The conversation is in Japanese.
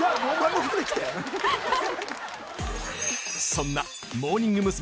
そんなモーニング娘。